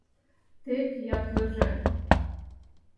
Тек ятлыже!..